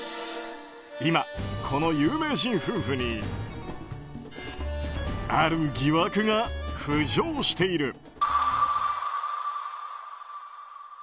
今、この有名人夫婦にある疑惑が浮上している。